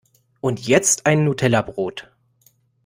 Und jetzt ein Nutellabrot!